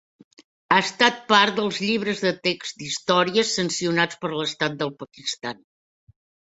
Ha estat part dels llibres de text d'història sancionats per l'estat del Pakistan.